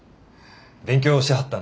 勉強しはったんですな。